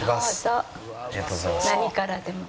何からでも。